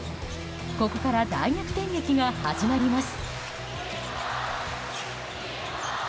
ここから大逆転劇が始まります。